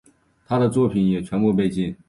他的作品也全部被禁。